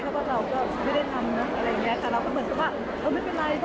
เพราะข่าวก็คือข่าวเราก็เข้าใจข่าวอะไรอย่างนี้ค่ะ